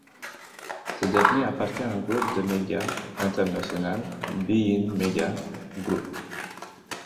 Ce dernier appartient au groupe de médias international BeIn Media Group.